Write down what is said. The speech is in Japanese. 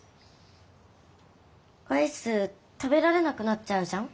アイス食べられなくなっちゃうじゃん？